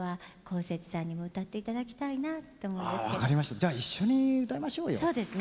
じゃあ一緒に歌いましょうよ。